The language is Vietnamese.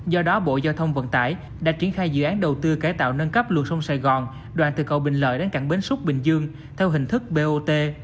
do đó bộ giao thông vận tải đã triển khai dự án đầu tư cải tạo nâng cấp lưu thông sài gòn đoàn từ cầu bình lợi đến cảng bến xúc bình dương theo hình thức bot